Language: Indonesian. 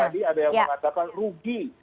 tadi ada yang mengatakan rugi